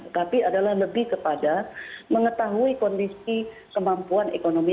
tapi adalah lebih kepada mengetahui kondisi kemampuan ekonomi